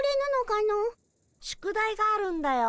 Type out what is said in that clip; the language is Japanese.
宿題があるんだよ。